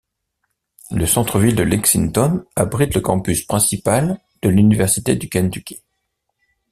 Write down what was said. Le centre-ville de Lexington abrite le campus principal de l'université du Kentucky.